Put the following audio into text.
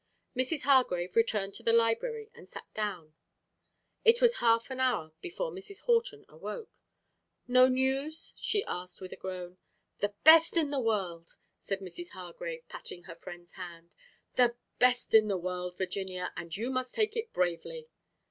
Mrs. Hargrave returned to the library and sat down. It was a half hour before Mrs. Horton awoke. "No news?" she asked with a groan. "The best in the world!" said Mrs. Hargrave, patting her friend's hand. "The best in the world, Virginia, and you must take it bravely."